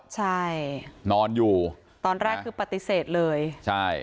ใช่นอนอยู่ตอนแรกคือปฏิเสธเลยใช่